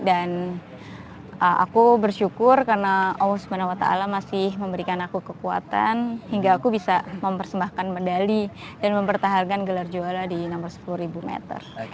aku bersyukur karena allah swt masih memberikan aku kekuatan hingga aku bisa mempersembahkan medali dan mempertahankan gelar juara di nomor sepuluh meter